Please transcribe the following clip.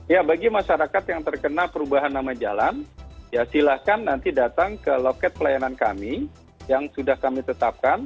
ya bagi masyarakat yang terkena perubahan nama jalan ya silahkan nanti datang ke loket pelayanan kami yang sudah kami tetapkan